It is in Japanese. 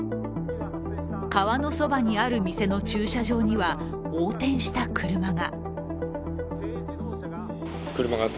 川のそばにある店の駐車場には横転した車が。